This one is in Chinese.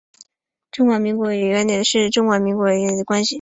中华民国与纽埃关系是指中华民国与纽埃之间的关系。